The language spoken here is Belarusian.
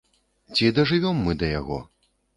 Ці дажывём мы да яго?